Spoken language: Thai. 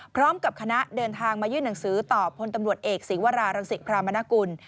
พร้อมกับคณะเดินทางมายื่นหนังสือต่อพลตำรวจเอกศีวรารังศิพรามนกุล